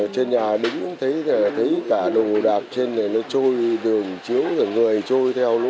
trên nhà mình cũng thấy cả đồ đạc trên này nó trôi đường chiếu người trôi theo lũ